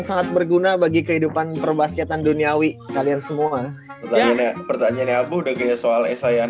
sangat berguna bagi kehidupan perbasketan duniawi kalian semua pertanyaannya abu udah kayak soal esa yang